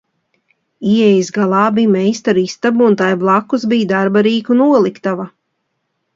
Ieejas galā bija meistaru istaba un tai blakus bija darba rīku noliktava.